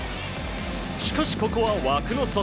しかし、ここは枠の外。